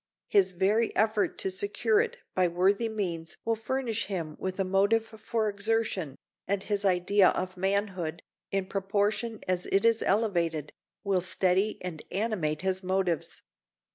His very effort to secure it by worthy means will furnish him with a motive for exertion, and his idea of manhood, in proportion as it is elevated, will steady and animate his motives.